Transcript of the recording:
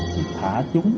thì thả chúng